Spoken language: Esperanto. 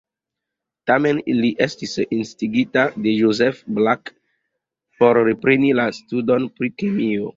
Tamen, li estis instigita de Joseph Black por repreni la studon pri kemio.